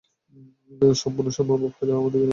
সম্পূর্ণ সাম্যভাব হইলে আমাদের বিনাশ অবশ্যম্ভাবী।